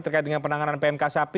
terkait dengan penanganan pmk sapi